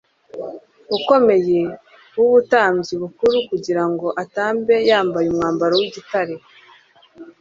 ukomeye w'ubutambyi bukuru kugira ngo atambe yambaye umwambaro w'igitare